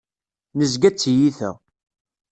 Nezga d tiyita.